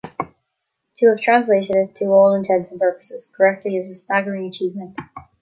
To have translated it to all intents and purposes correctly is a staggering achievement.